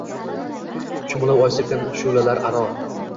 Cho’milib oy sepgan shu’lalar aro